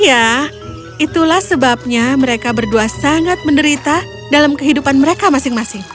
ya itulah sebabnya mereka berdua sangat menderita dalam kehidupan mereka masing masing